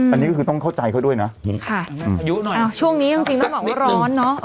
อันนี้ก็คือต้องเข้าใจเขาด้วยนะอายุหน่อยช่วงนี้จริงต้องบอกว่าร้อนเนอะ